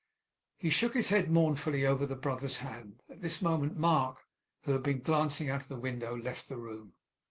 He shook his head mournfully over the brother's hand. At this moment Mark, who had been glancing out of the window, left the room.